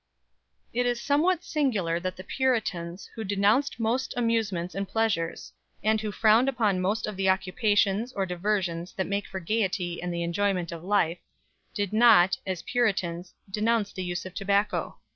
It is somewhat singular that the Puritans, who denounced most amusements and pleasures, and who frowned upon most of the occupations or diversions that make for gaiety and the enjoyment of life, did not, as Puritans, denounce the use of tobacco.